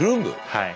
はい。